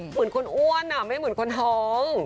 เหมือนคนอ้วนไม่เหมือนคนท้อง